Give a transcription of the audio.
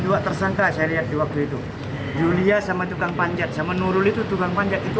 dua tersangka saya lihat di waktu itu julia sama tukang panjat sama nurul itu tukang panjat itu